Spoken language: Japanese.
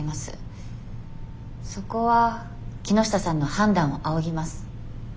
そこは木下さんの判断を仰ぎます。